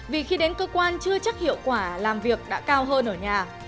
vì khi đến cơ quan chưa chắc hiệu quả làm việc đã cao hơn ở nhà